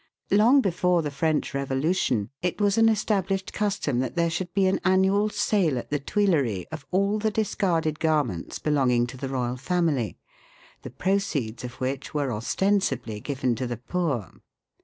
Long before the French Revolution, it was an established custom that there should be an annual sale at the Tuileries of all the discarded garments belonging to the Royal Family, the proceeds of which were ostensibly given to the poor.